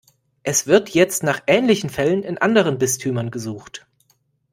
Es wird jetzt nach ähnlichen Fällen in anderen Bistümern gesucht.